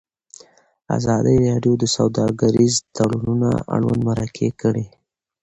ازادي راډیو د سوداګریز تړونونه اړوند مرکې کړي.